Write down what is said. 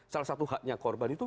salah satu haknya korban itu